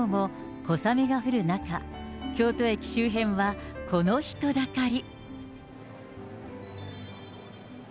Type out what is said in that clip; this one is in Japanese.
日曜日のきのうも小雨が降る中、京都駅周辺はこの人だかり。